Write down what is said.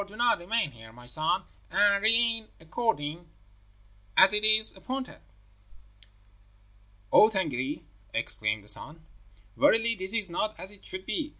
Do you remain here, my son, and reign according as it is appointed.' "'O Tângâri,' exclaimed the son, 'verily this is not as it should be!